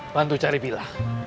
bantu cari pila